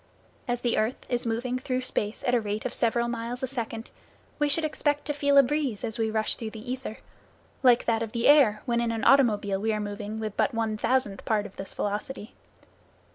As the earth is moving through space at the rate of several miles a second, we should expect to feel a breeze as we rush through the ether, like that of the air when in an automobile we are moving with but one thousandth part of this velocity.